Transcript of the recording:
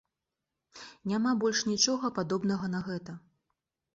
Няма больш нічога, падобнага на гэта.